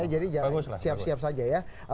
jadi jangan siap siap saja ya